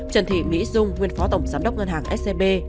trần thị mỹ dung nguyên phó tổng giám đốc ngân hàng scb